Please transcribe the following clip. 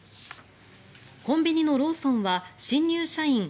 コンビニのローソンは新入社員